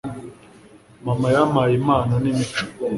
mama yampaye impano n'imico